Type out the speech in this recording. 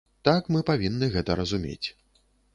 Так мы павінны гэта разумець.